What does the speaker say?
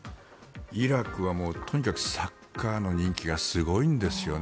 イラクはとにかくサッカーの人気がすごいんですよね。